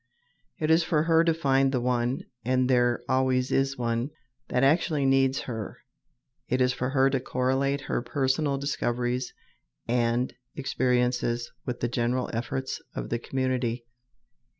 It is for her to find the one and there always is one that actually needs her. It is for her to correlate her personal discoveries and experiences with the general efforts of the community.